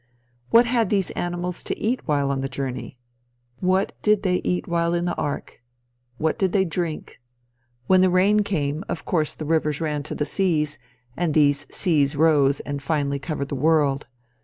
What had these animals to eat while on the journey? What did they eat while in the ark? What did they drink? When the rain came, of course the rivers ran to the seas, and these seas rose and finally covered the world.